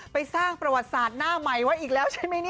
ไปสร้างประวัติศาสตร์ใหม่ไว้อีกแล้วใช่มั้ยนะ